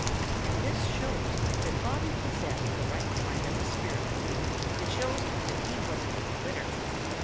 And this shows that Bobby possessed the right kind of a spirit. It shows that he wasn't a quitter.